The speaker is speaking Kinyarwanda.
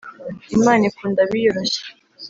imana ikunda abiyoroshya